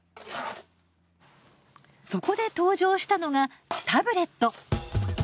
そこで登場したのがタブレット。